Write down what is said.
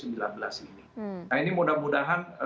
nah ini mudah mudahan